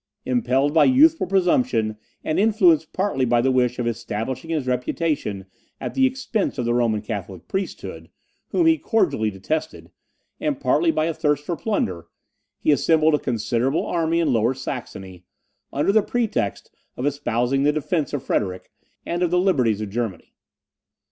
Impelled by youthful presumption, and influenced partly by the wish of establishing his reputation at the expense of the Roman Catholic priesthood, whom he cordially detested, and partly by a thirst for plunder, he assembled a considerable army in Lower Saxony, under the pretext of espousing the defence of Frederick, and of the liberties of Germany.